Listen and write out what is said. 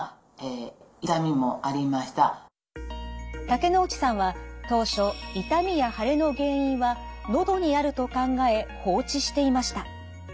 竹之内さんは当初痛みや腫れの原因はのどにあると考え放置していました。